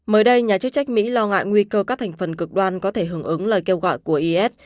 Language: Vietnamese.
mới đây nhà chức trách mỹ lo ngại nguy cơ các thành phần cực đoan có thể hưởng ứng lời kêu gọi của is